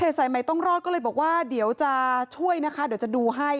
สายใหม่ต้องรอดก็เลยบอกว่าเดี๋ยวจะช่วยนะคะเดี๋ยวจะดูให้